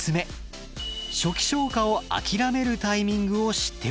初期消火を諦めるタイミングを知っておくこと。